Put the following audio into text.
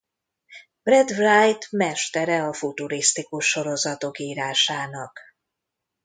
Brad Wright mestere a futurisztikus sorozatok írásának.